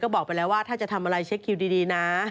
บอกไปแล้วว่าถ้าจะทำอะไรเช็คคิวดีนะ